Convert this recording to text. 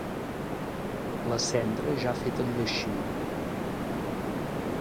La cendra ja ha fet el lleixiu.